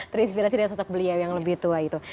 terinspirasi dari sosok beliau yang lebih tua itu